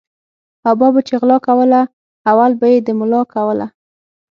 ابا به چی غلا کوله اول به یی د ملا کوله